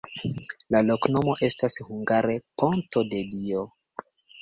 La loknomo estas hungare: ponto-de-Dio.